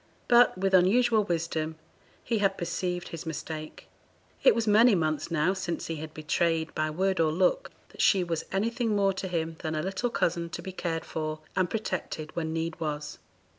But, with unusual wisdom, he had perceived his mistake; it was many months now since he had betrayed, by word or look, that she was anything more to him than a little cousin to be cared for and protected when need was.